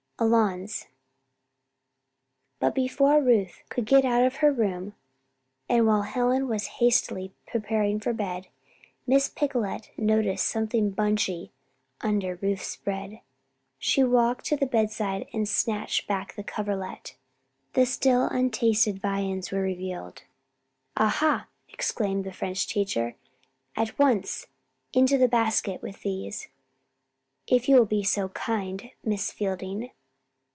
Alons!" But before Ruth could get out of the room, and while Helen was hastily preparing for bed, Miss Picolet noticed something "bunchy" under Ruth's spread. She walked to the bedside and snatched back the coverlet. The still untasted viands were revealed. "Ah ha!" exclaimed the French teacher. "At once! into the basket with these, if you will be so kind, Miss Fielding."